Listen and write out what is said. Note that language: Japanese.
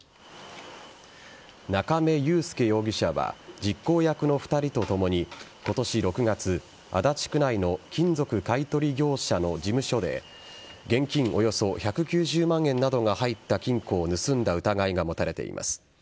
中明裕介容疑者は実行役の２人とともに今年６月足立区内の金属買取業者の事務所で現金およそ１９０万円などが入った金庫を盗んだ疑いが持たれています。